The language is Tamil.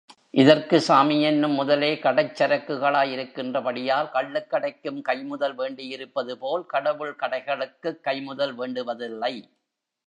இதற்கு சாமியென்னும் முதலே கடைச்சரக்குகளாய் இருக்கின்றபடியால் கள்ளுக்கடைக்குக் கைம்முதல் வேண்டியிருப்பது போல் கடவுள் கடைகளுக்குக் கைம்முதல் வேண்டுவதில்லை.